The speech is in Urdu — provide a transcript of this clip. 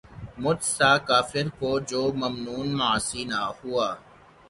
مجھ سا کافر کہ جو ممنون معاصی نہ ہوا